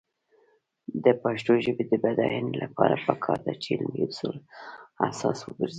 د پښتو ژبې د بډاینې لپاره پکار ده چې علمي اصول اساس وګرځي.